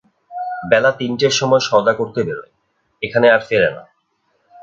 বেলা তিনটের সময় সওদা করতে বেরোয়, এখানে আর ফেরে না।